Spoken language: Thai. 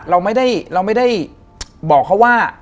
เราไม่ได้บอกเขาว่า